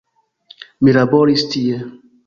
Mi laboris tie.